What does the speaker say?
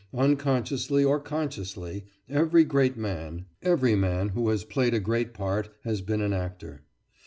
Unconsciously or consciously, every great man, every man who has played a great part, has been an actor.